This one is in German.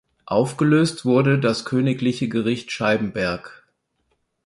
Aufgelöst wurde das Königliche Gericht Scheibenberg.